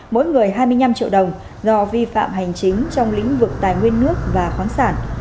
mỗi người hai mươi năm triệu đồng do vi phạm hành chính trong lĩnh vực tài nguyên nước và khoáng sản